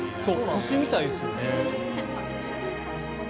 星みたいですよね。